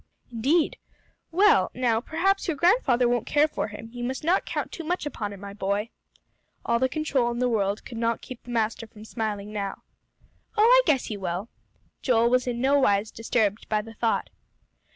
"Indeed! Well, now, perhaps your grandfather won't care for him; you must not count too much upon it, my boy." All the control in the world could not keep the master from smiling now. "Oh, I guess he will." Joel was in no wise disturbed by the doubt.